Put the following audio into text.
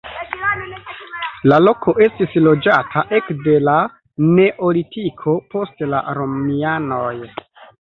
La loko estis loĝata ekde la neolitiko post la romianoj.